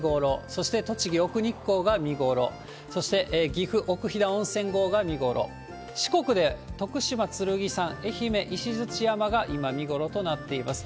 そして、栃木・奥日光が見頃、そして岐阜奥飛騨温泉郷が見頃、四国で徳島・剣山、愛媛・石鎚山が今、見頃となっています。